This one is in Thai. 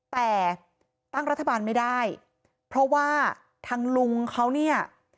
แต่ตั้งรัฐบาลไม่ได้เพราะว่าทางลุงเขาเนี่ย